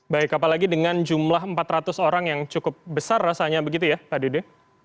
baik apalagi dengan jumlah empat ratus orang yang cukup besar rasanya begitu ya pak dede